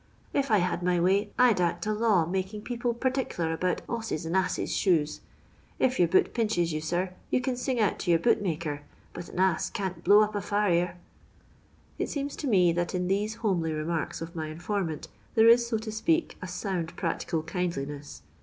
If I had my way I 'd 'act a hiw making people perticler about 'osses' and asses' shoes. If your boot pinches you, sir, you can sing out to your bootmaker, but a ass can't blow up a fiirrier." It seems to me that in these homely remarks of my informant, there is, so to speak, a sound practical kindliness.